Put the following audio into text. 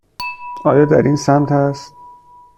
آیا در این سمت است؟